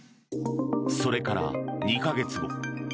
それから２か月後。